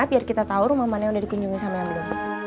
biar kita tahu rumah mana yang udah dikunjungi sama yang beliau